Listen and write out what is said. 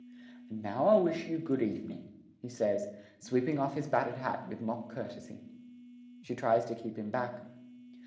'And now I'll wish you good evening,' he says, sweeping off his battered hat with mock courtesy. She tries to keep him back.